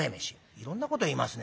「いろんなこと言いますね」。